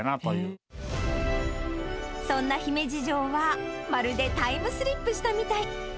そんな姫路城は、まるでタイムスリップしたみたい。